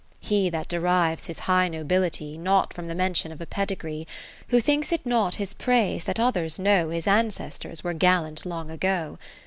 He that derives his high Nobility, Not from the mention of a pedigree; Who thinks it not his praise that others know 41 His ancestors were gallant long ago; (556) ^ Spelt in orig.